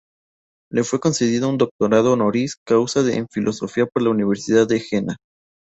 Le fue concedido un doctorado honoris causa en filosofía por la Universidad de Jena.